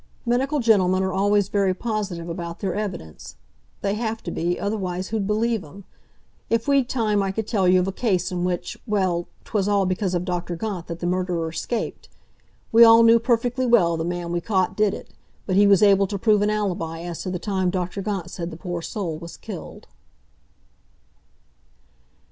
Medical gentlemen are always very positive about their evidence. They have to be—otherwise who'd believe 'em? If we'd time I could tell you of a case in which—well, 'twas all because of Dr. Gaunt that the murderer escaped. We all knew perfectly well the man we caught did it, but he was able to prove an alibi as to the time Dr. Gaunt said the poor soul was killed."